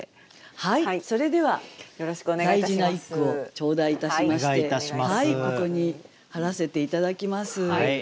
はいそれでは大事な一句を頂戴いたしましてここに貼らせて頂きます。